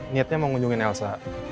niatnya mau ngunjungin elsa